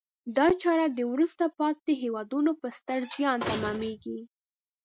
دا چاره د وروسته پاتې هېوادونو په ستر زیان تمامیږي.